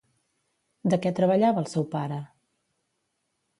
De què treballava el seu pare?